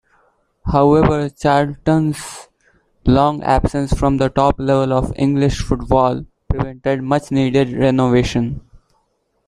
However, Charlton's long absence from the top level of English football prevented much-needed renovation.